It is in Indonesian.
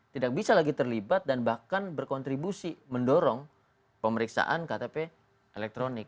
tidak bisa lagi terlibat dan bahkan berkontribusi mendorong pemeriksaan ktp elektronik